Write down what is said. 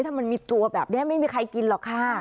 ถ้ามันมีตัวแบบนี้ไม่มีใครกินหรอกค่ะ